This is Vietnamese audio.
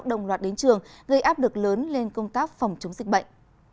đồng loạt đến trường gây áp lực lớn lên công tác phòng chống dịch bệnh